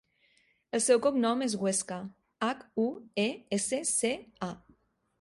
El seu cognom és Huesca: hac, u, e, essa, ce, a.